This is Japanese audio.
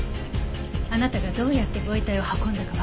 あなたがどうやってご遺体を運んだかわかりました。